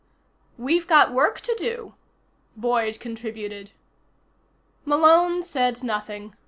"We've got work to do," Boyd contributed. Malone said nothing.